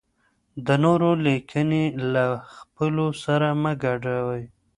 د نورو لیکني له خپلو سره مه ګډوئ.